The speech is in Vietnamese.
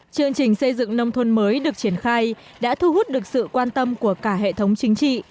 chương trình xây dựng nông thôn mới được triển khai đã thu hút được sự quan tâm của cả hệ thống chính trị